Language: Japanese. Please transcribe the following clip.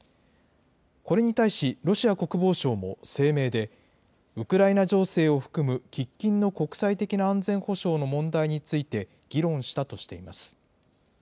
これに対し、ロシア国防省も声明で、ウクライナ情勢を含む、喫緊の国際的な安全保障の問題について、議論したとしています。